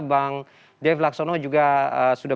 bang dev laksono juga sudah